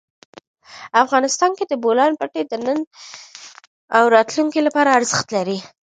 افغانستان کې د بولان پټي د نن او راتلونکي لپاره ارزښت لري.